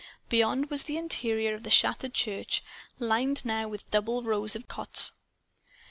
Beyond was the interior of the shattered church, lined now with double rows of cots.